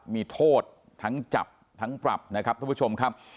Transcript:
มีโทษทั้งจำทั้งปรับนะครับท่านผู้ชมครับ